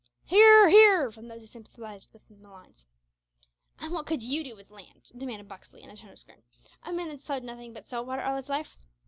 "Hear, hear!" from those who sympathised with Malines. "An' what could you do with land?" demanded Buxley in a tone of scorn, "a man that's ploughed nothing but salt water all his life."